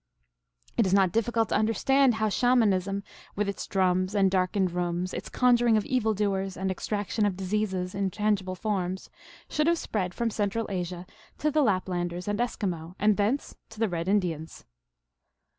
It is not difficult to understand how Shamanism, with its drums and darkened rooms, its conjuring of evil doers and extraction of diseases in tangible forms, should have spread from Central Asia to the Lapland ers and Eskimo, and thence to the red Indians.